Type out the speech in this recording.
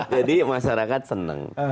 jadi masyarakat senang